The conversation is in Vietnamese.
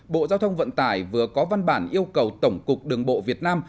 bộ giao thông vận tải vừa có văn bản yêu cầu tổng cục đường bộ việt nam